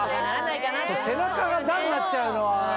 背中が段になっちゃうのは。